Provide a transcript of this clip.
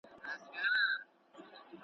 چي پر خره زورور نه یې پهلوانه.